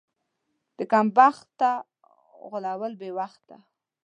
د کم بخته غول بې وخته.